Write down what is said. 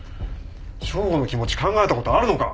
匠吾の気持ち考えたことあるのか？